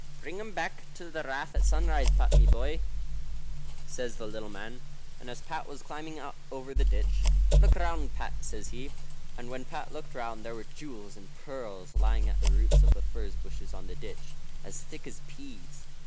"Bring 'em back to the Rath at sunrise, Pat, my boy," says the little man. And as Pat was climbing over the ditch, "Look round, Pat," says he. And when Pat looked round, there were jewels and pearls lying at the roots of the furze bushes on the ditch, as thick as peas.